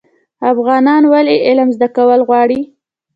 افغانان ولې علم زده کول غواړي؟